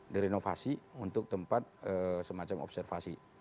direnovasi untuk tempat semacam observasi